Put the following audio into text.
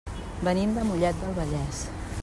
Venim de Mollet del Vallès.